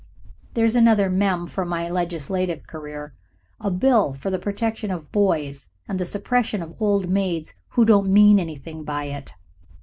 (There's another mem. for my legislative career a Bill for the Protection of Boys, and the Suppression of Old Maids Who Don't Mean Anything By It.)